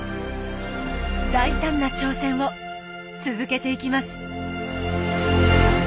大胆な挑戦を続けていきます。